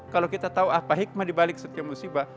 kalau kita tahu apa hikmah dibalik setiap musibah